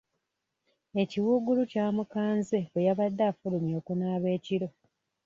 Ekiwuugulu kyamukanze bwe yabadde afulumye okunaaba ekiro.